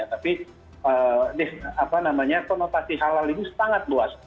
tapi konotasi halal itu sangat luas